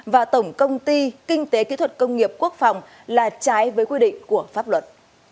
và tổng công ty kinh tế kỹ thuật công nghiệp quốc phòng là trái với quy định của pháp luật